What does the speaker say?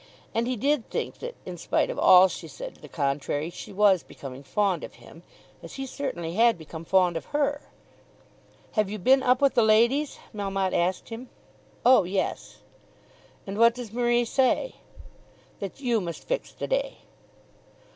And he did think that, in spite of all she said to the contrary, she was becoming fond of him, as he certainly had become fond of her. "Have you been up with the ladies?" Melmotte asked him. "Oh yes." "And what does Marie say?" "That you must fix the day."